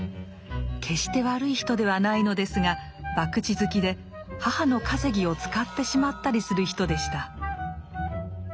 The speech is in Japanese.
決して悪い人ではないのですが博打好きで母の稼ぎを使ってしまったりする人でした。